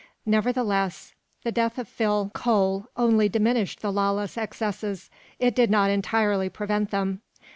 Nevertheless, the death of Phil. Cole only diminished the lawless excesses it did not entirely prevent them.